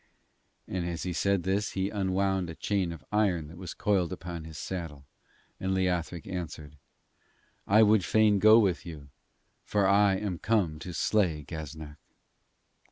And as he said this he unwound a chain of iron that was coiled upon his saddle, and Leothric answered: 'I would fain go with you, for I am come to slay Gaznak.'